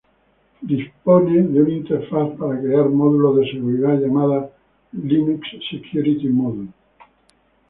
Dispone de una interfaz para crear módulos de seguridad llamada "Linux Security Module".